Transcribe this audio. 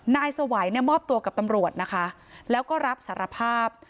นายสวัยเนี่ยมอบตัวกับตำรวจนะคะแล้วก็รับสารภาพ